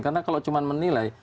karena kalau cuma menilai